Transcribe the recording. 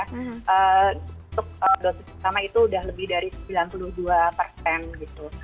untuk dosis pertama itu sudah lebih dari sembilan puluh dua persen gitu